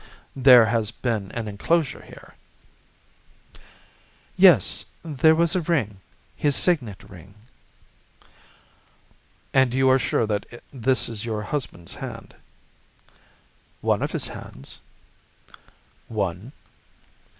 there has been an enclosure here!" "Yes, there was a ring. His signet ring." "And you are sure that this is your husband's hand?" "One of his hands." "One?"